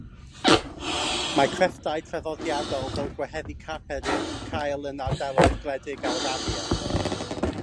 Mae crefftau traddodiadol fel gwehyddu carped i'w cael yn ardaloedd gwledig Arabia.